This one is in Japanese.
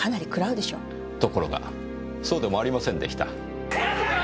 ところがそうでもありませんでした。